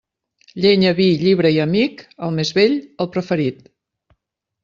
Llenya, vi, llibre i amic, el més vell, el preferit.